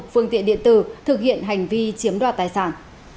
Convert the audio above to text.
phương tiện điện tử thực hiện hành vi chiếm đoạt tài sản